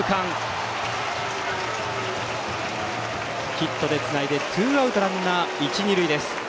ヒットでつないでツーアウト、ランナー、一、二塁。